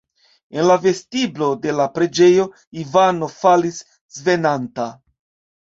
En la vestiblo de la preĝejo Ivano falis svenanta.